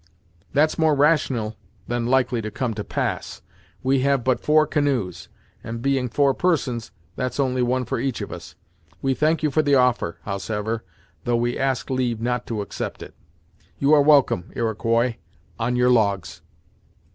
"That's more rational, than likely to come to pass. We have but four canoes, and being four persons that's only one for each of us. We thank you for the offer, howsever, though we ask leave not to accept it. You are welcome, Iroquois, on your logs."